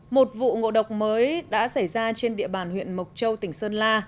một vụ ngộ độc mới đã xảy ra trên địa bàn huyện mộc châu tỉnh sơn la